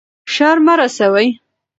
شر مه رسوئ.